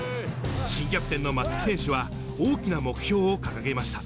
新キャプテンの松木選手は、大きな目標を掲げました。